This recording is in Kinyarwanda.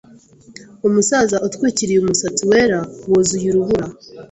Umusaza utwikiriye umusatsi wera wuzuye urubura